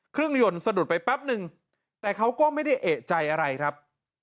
เครื่องยนต์สะดุดไปแป๊บนึงแต่เขาก็ไม่ได้เอกใจอะไรครับ